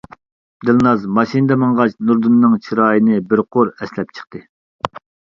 دىلناز ماشىنىدا ماڭغاچ نۇردۇننىڭ چىراينى بىر قۇر ئەسلەپ چىقتى.